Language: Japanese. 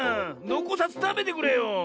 のこさずたべてくれよ。